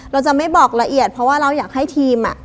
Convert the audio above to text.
เราจะไม่บอกละเอียดเพราะว่าเราอยากให้ทีม